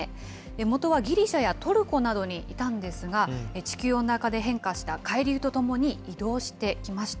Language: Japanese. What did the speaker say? もとはギリシャやトルコなどにいたんですが、地球温暖化で変化した海流とともに移動してきました。